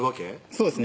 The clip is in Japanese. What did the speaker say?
そうですね